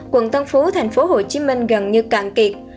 quận tân phú tp hcm gần như cạn kiệt